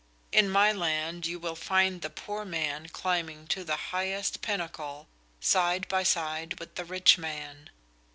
In my land you will find the poor man climbing to the highest pinnacle, side by side with the rich man.